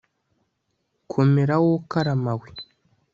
komera wo karama we